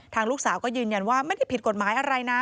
ลูกสาวก็ยืนยันว่าไม่ได้ผิดกฎหมายอะไรนะ